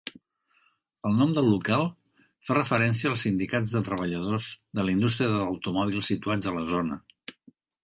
El nom del local fa referència als sindicats de treballadors de la indústria de l'automòbil situats a la zona.